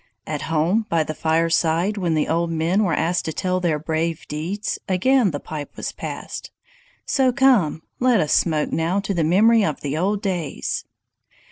At home, by the fireside, when the old men were asked to tell their brave deeds, again the pipe was passed. So come, let us smoke now to the memory of the old days!"